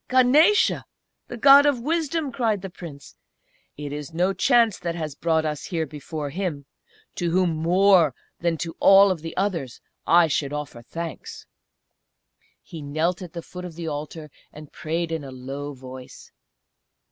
"Ganesa! the God of Wisdom!" cried the Prince. "It is no chance that has brought us here before Him, to whom more than to all the others I should offer thanks!" He knelt at the foot of the altar and prayed in a low voice.